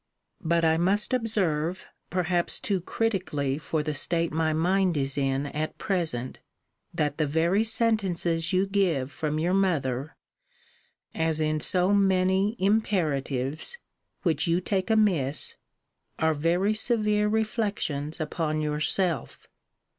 But I must observe, perhaps too critically for the state my mind is in at present, that the very sentences you give from your mother, as in so many imperatives, which you take amiss, are very severe reflections upon yourself.